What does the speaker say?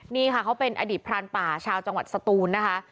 นี่ค่ะเขาเป็นอดีตพรานป่าชาวจังหวัดสตูนนะคะ